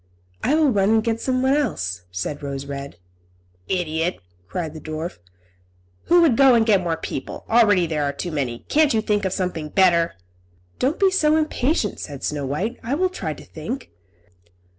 "I will run and get someone else," said Rose Red. "Idiot!" cried the dwarf. "Who would go and get more people? Already there are two too many. Can't you think of something better?" "Don't be so impatient," said Snow White. "I will try to think."